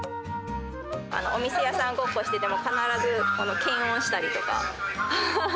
お店屋さんごっこしてても必ず検温したりとか。